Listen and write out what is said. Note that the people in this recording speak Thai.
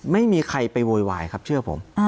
ไม่มีใครไปโวยวายครับเชื่อผม